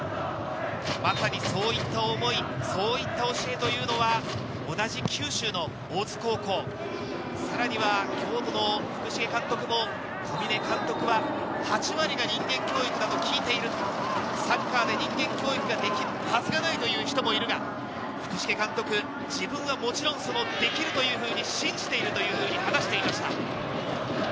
まさにそういった思い、そういった教えというのは、同じ九州の大津高校、さらには京都の福重監督も、小嶺監督は８割が人間教育だと聞いていると、サッカーで人間教育ができるはずがないという人もいるが、福重監督、自分はもちろん、できるというふうに、信じているというふうに話していました。